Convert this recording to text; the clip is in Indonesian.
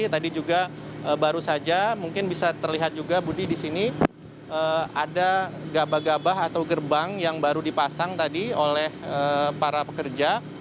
tadi juga baru saja mungkin bisa terlihat juga budi di sini ada gabah gabah atau gerbang yang baru dipasang tadi oleh para pekerja